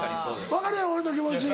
分かるやろ俺の気持ち。